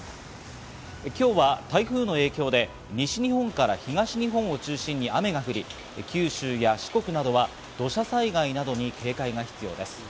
今日は台風の影響で西日本から東日本を中心に雨が降り、九州や四国などは土砂災害などに警戒が必要です。